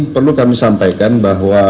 perlu kami sampaikan bahwa